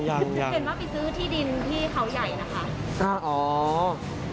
เห็นว่าไปซื้อที่ดินที่เขาใหญ่นะคะ